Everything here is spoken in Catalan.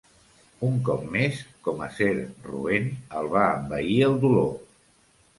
Un cop més, com acer roent, el va envair el dolor.